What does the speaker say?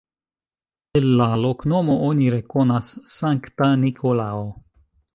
El la loknomo oni rekonas Sankta Nikolao.